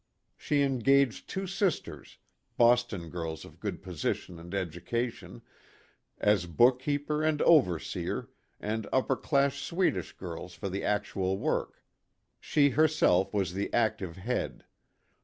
She engaged two sisters, Boston girls of good position and educa tion, as book keeper and overseer, and upper class Swedish girls for the actual work ; she herself was the active head.